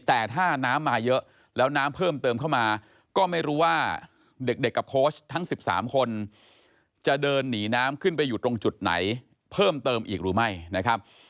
แต่ถ้าน้ำมาเยอะแล้วน้ำเพิ่มเติมเข้ามา